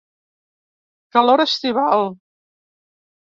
Calor estival.